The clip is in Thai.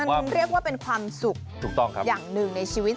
มันเรียกว่าเป็นความสุขอย่างหนึ่งในชีวิต